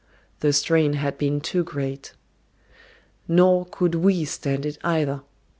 The strain had been too great. Nor could we stand it either.